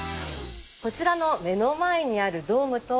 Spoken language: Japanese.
こちらの目の前にあるドームと。